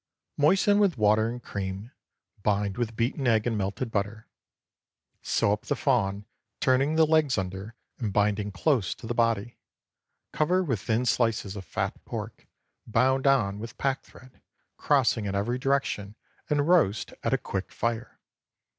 Moisten with water and cream, bind with beaten egg and melted butter. Sew up the fawn, turning the legs under, and binding close to the body. Cover with thin slices of fat pork, bound on with pack thread, crossing in every direction, and roast at a quick fire.